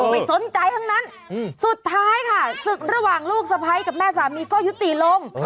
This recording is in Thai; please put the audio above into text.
ไม่สนใจทั้งนั้นสุดท้ายค่ะศึกระหว่างลูกสะพ้ายกับแม่สามีก็ยุติลง